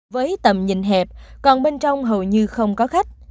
với tầm nhìn hẹp còn bên trong hầu như không có khách